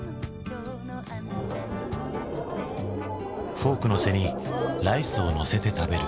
フォークの背にライスをのせて食べる。